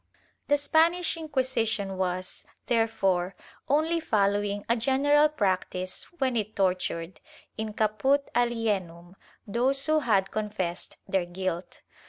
The Spanish Inquisition was, therefore, only following a general practice when it tortured, in caput alienum, those who had con fessed their guilt.